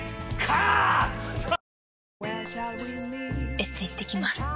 エステ行ってきます。